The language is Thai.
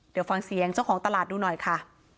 เดี๋ยวฟังเสียงเจ้าของตลาดดูหน่อยค่ะ